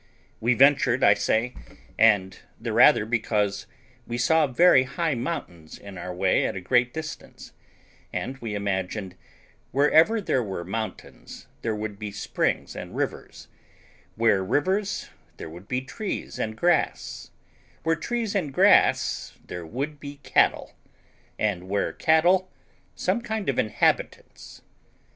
We ventured, I say, and the rather because we saw very high mountains in our way at a great distance, and we imagined, wherever there were mountains there would be springs and rivers; where rivers there would be trees and grass; where trees and grass there would be cattle; and where cattle, some kind of inhabitants.